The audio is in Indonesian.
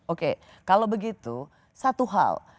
oke kalau begitu satu hal